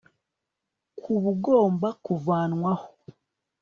ko bugomba kuvanwaho